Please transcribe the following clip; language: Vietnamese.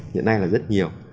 hiện nay là rất nhiều